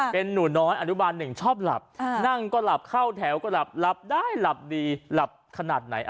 เป็นหนูน้อยอนุบาลหนึ่งชอบหลับนั่งก็หลับเข้าแถวก็หลับหลับได้หลับดีหลับขนาดไหน